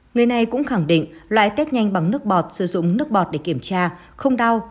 người này cũng khẳng định loại test nhanh bằng nước bọt sử dụng nước bọt để kiểm tra không đau